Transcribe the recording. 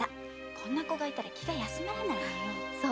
こんな子がいたら気が休まらないわよ。